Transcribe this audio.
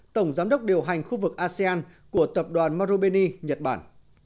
tổng giám đốc điều hành khu vực asean của tập đoàn marobeni nhật bản